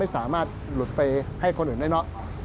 สามารถหลุดไปให้คนอื่นได้เนอะ